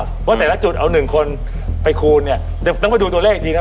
เพราะแต่ละจุดเอาหนึ่งคนไปคูณเนี่ยต้องไปดูตัวเลขอีกทีนะครับ